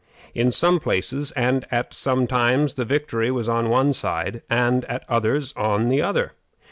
In some places and at some times the victory was on one side, and at others on the other.